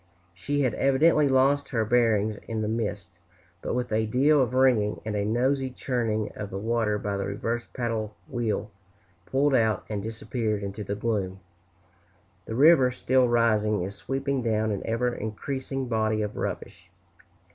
She had evidently lost her bearings in the mist; but with a deal of ringing, and a noisy churning of the water by the reversed paddle wheel, pulled out and disappeared into the gloom. The river, still rising, is sweeping down an ever increasing body of rubbish.